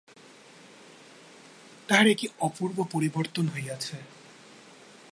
তাহার কী-এক অপরূপ পরিবর্তন হইয়াছে।